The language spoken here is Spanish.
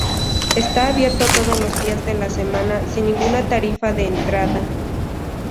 Está abierto todos los días de la semana sin ninguna tarifa de entrada.